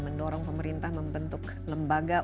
mendorong pemerintah membentuk lembaga